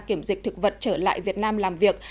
kiểm dịch thực vật trở lại việt nam làm việc